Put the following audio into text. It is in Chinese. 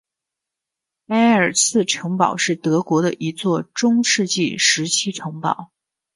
埃尔茨城堡是德国的一座中世纪时期城堡。